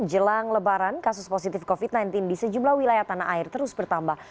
jelang lebaran kasus positif covid sembilan belas di sejumlah wilayah tanah air terus bertambah